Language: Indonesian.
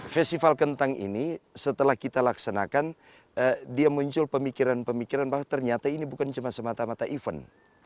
festival kentang ini setelah kita laksanakan dia muncul pemikiran pemikiran bahwa ternyata ini bukan cuma semata mata event